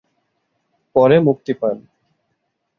পরে মুক্তি পান।